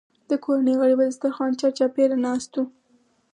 د کورنۍ غړي به د دسترخوان چارچاپېره ناست وو.